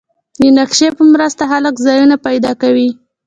د نقشې په مرسته خلک ځایونه پیدا کوي.